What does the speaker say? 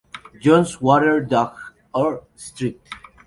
John's water dog" o "St.